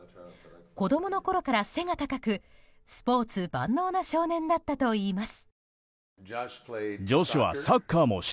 子供のころから背が高くスポーツ万能な少年だったといいます。